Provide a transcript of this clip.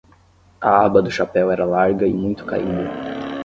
A aba do chapéu era larga e muito caída.